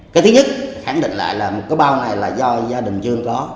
cái thứ nhất khẳng định lại là một cái bao này là do gia đình dương có